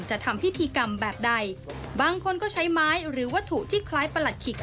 ทำพิธีกรรมแบบใดบางคนก็ใช้ไม้หรือวัตถุที่คล้ายประหลัดขิก